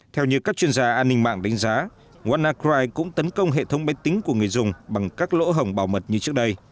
theo như các chuyên gia an ninh mạng đánh giá walnacride cũng tấn công hệ thống máy tính của người dùng bằng các lỗ hồng bảo mật như trước đây